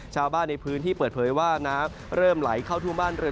ชาวบ้านในพื้นที่เปิดเผยว่าน้ำเริ่มไหลเข้าท่วมบ้านเรือน